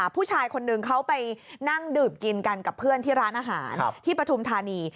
ผู้ชายคนนึงเขาไปนั่งดื่มกินกันกับเพื่อนที่ร้านอาหารที่ปฐุมธานี